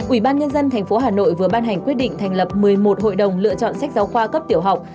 ủy ban nhân dân tp hà nội vừa ban hành quyết định thành lập một mươi một hội đồng lựa chọn sách giáo khoa cấp tiểu học